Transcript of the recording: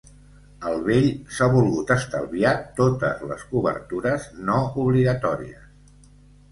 El vell s'ha volgut estalviar totes les cobertures no obligatòries.